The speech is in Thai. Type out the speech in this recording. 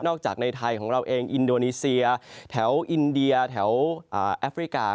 จากในไทยของเราเองอินโดนีเซียแถวอินเดียแถวแอฟริกา